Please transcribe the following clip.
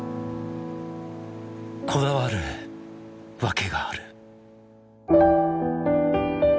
こだわる訳がある。